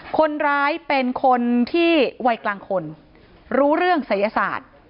คนร้ายเป็นคนที่วัยกลางคนรู้เรื่องศัยศาสตร์